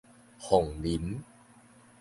鳳林